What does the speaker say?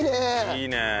いいねえ。